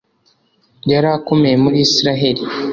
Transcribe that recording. yari akomeye muri Israheli.